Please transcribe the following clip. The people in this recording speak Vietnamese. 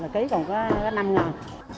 cây còn có năm ngàn